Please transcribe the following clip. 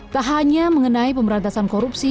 tak hanya mengenai pemberantasan korupsi